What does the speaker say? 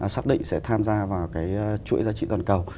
xác định sẽ tham gia vào cái chuỗi giá trị toàn cầu